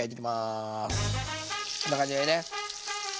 こんな感じでね。